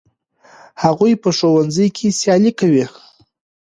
هغوی په ښوونځي کې سیالي کوي.